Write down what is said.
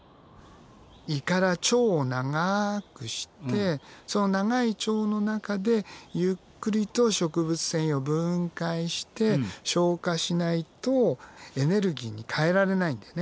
胃から腸を長くしてその長い腸の中でゆっくりと食物繊維を分解して消化しないとエネルギーに変えられないんだよね。